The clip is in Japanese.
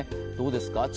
どうですか。